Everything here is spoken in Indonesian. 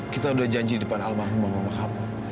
kita udah janji di depan almarhum mama mama kamu